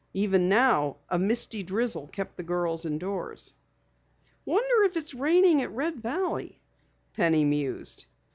Even now, a misty drizzle kept the girls indoors. "Wonder if it's raining at Red Valley?" Penny mused.